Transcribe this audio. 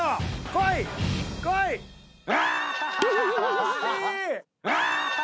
惜しい！